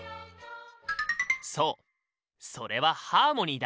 そうそれはハーモニーだ！